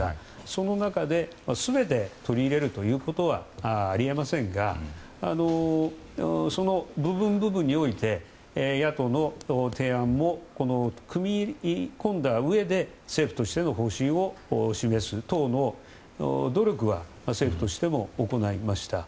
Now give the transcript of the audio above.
その中で全て取り入れるということはあり得ませんがその部分、部分において野党の提案も組み込んだうえで政府としての方針を示す党の努力は政府としても行いました。